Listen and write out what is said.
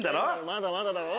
まだまだだろ？